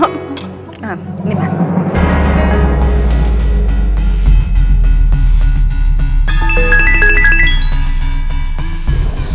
nah ini mas